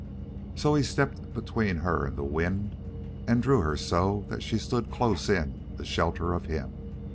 So he stepped between her and the wind and drew her so that she stood close in the shelter of him.